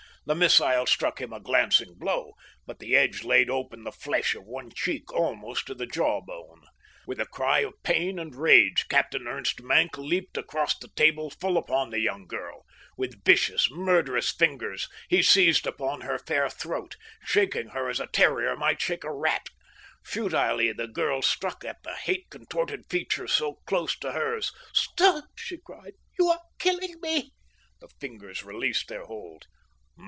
The missile struck him a glancing blow, but the edge laid open the flesh of one cheek almost to the jaw bone. With a cry of pain and rage Captain Ernst Maenck leaped across the table full upon the young girl. With vicious, murderous fingers he seized upon her fair throat, shaking her as a terrier might shake a rat. Futilely the girl struck at the hate contorted features so close to hers. "Stop!" she cried. "You are killing me." The fingers released their hold.